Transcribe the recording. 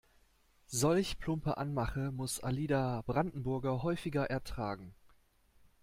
Solch plumpe Anmache muss Alida Brandenburger häufiger ertragen.